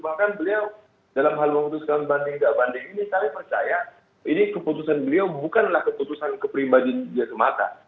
bahkan beliau dalam hal memutuskan banding nggak banding ini saya percaya ini keputusan beliau bukanlah keputusan kepribadian dia semata